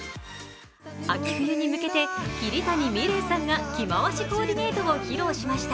秋冬に向けて、桐谷美玲さんが着回しコーディネートを披露しました。